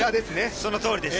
そのとおりです。